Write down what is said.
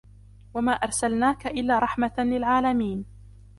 وما أرسلناك إلا رحمة للعالمين